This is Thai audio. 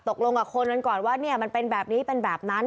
ตกลงกับคนนั้นก่อนว่ามันเป็นแบบนี้เป็นแบบนั้น